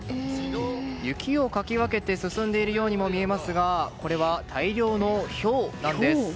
雪をかき分けて進んでいるようにも見えますがこれは大量のひょうなんです。